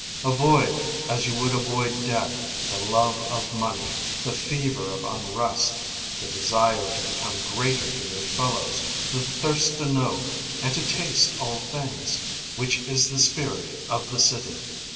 Avoid, as you would avoid death, the love of money, the fever of unrest, the desire to become greater than your fellows, the thirst to know and to taste all things, which is the spirit of the city.